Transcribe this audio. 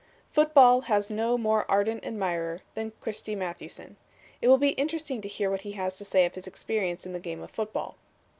Football has no more ardent admirer than Christy Mathewson. It will be interesting to hear what he has to say of his experience in the game of football.